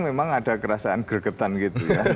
memang ada kerasaan gregetan gitu